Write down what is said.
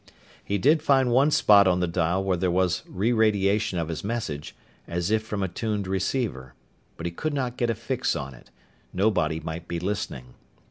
He did find one spot on the dial where there was re radiation of his message, as if from a tuned receiver. But he could not get a fix on it: nobody might be listening.